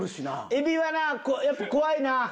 エビはなやっぱ怖いな。